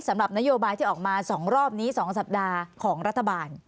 สำหรับนโยบายที่ออกมา๒รอบนี้๒สัปดาห์ของรัฐบาล